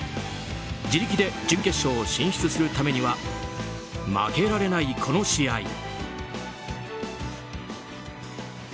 自力で準決勝進出するためには負けられない、この試合。